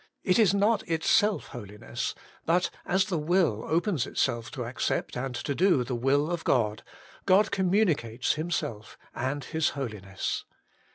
It is not itself holiness : but as the will opens itself to accept and to do the will of God, God communicates Himself and His Holiness.